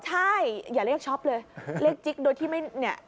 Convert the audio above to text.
ใช่อย่าเรียกช็อปเลยเรียกจิ๊กโดยที่ไม่เนี่ย